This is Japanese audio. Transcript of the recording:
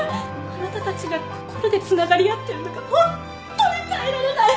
あなたたちが心でつながり合ってるのがホンットに耐えられない。